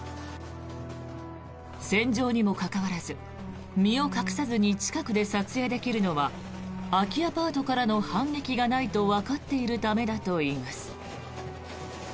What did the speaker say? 戦場にもかかわらず身を隠さずに近くで撮影できるのは空きアパートからの反撃がないとわかっているためだといいます。